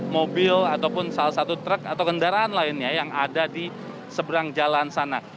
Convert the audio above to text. mobil ataupun salah satu truk atau kendaraan lainnya yang ada di seberang jalan sana